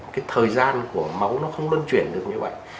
cái thời gian của máu nó không đơn chuyển được như vậy